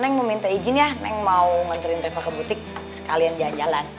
neng mau minta izin ya neng mau nganterin reva ke butik sekalian jalan jalan